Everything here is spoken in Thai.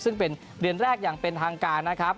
ซึ่งเป็นเดือนแรกอย่างเป็นทางการนะครับ